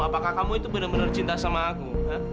apakah kamu itu benar benar cinta sama aku